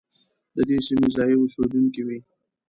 د دې سیمې ځايي اوسېدونکي وي.